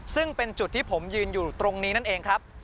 ซึ่งเป็นจุดที่ผมยืนอยู่ตรงนี้นั่นเองครับ